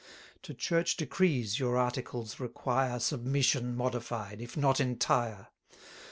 To Church decrees your articles require Submission modified, if not entire.